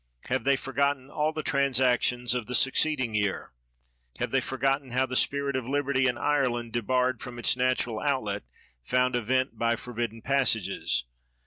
And have they forgotten all the transactions of the succeeding year ? Have they forgotten how the spirit of libertj' in Ireland, de barred from its natural outlet, found a vent by forbidden passages?